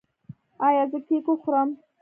ایا زه کیک وخورم؟